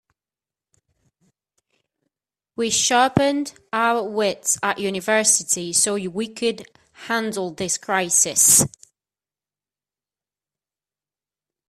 We sharpened our wits at university so we could handle this crisis.